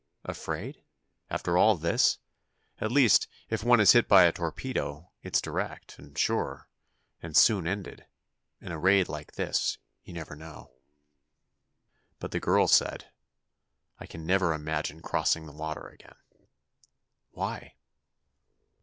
"Afraid? After all this? At least, if one is hit by a torpedo, it's direct, and sure, and soon ended. In a raid like this, you never know." But the girl said: "I can never imagine crossing the water again." "Why?"